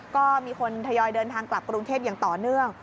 ก็มีคนทยอยเดินทางกลับกรุงเทพอย่างต่อเนื่อง